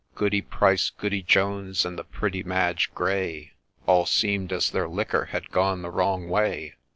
Goody Price, Goody Jones, and the pretty Madge Gray, All seem'd as their liquor had gone the wrong way.